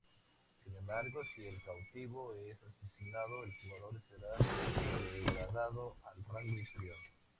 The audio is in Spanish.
Sin embargo, si el cautivo es asesinado, el jugador será degradado al rango inferior.